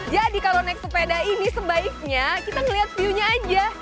jadi kalau naik sepeda ini sebaiknya kita ngelihat view nya aja